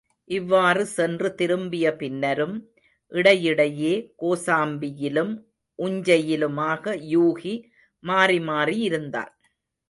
இவ்வாறு சென்று திரும்பிய பின்னரும், இடையிடையே கோசாம்பியிலும் உஞ்சையிலுமாக யூகி மாறிமாறி இருந்தான்.